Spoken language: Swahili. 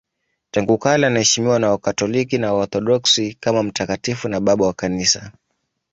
Tangu kale anaheshimiwa na Wakatoliki na Waorthodoksi kama mtakatifu na Baba wa Kanisa.